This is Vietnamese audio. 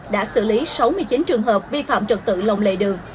đã xử lý sáu mươi chín trường hợp vi phạm trực tự lồng lệ đường